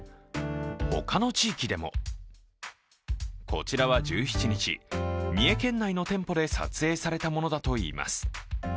他の地域でもこちらは１７日、三重県内の店舗で撮影されたものだといいます。